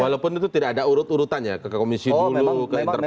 walaupun itu tidak ada urut urutan ya ke komisi dulu ke interpelasi